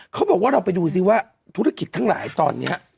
เขาบอกว่าเราไปดูซิว่าธุรกิจทั้งหลายตอนนี้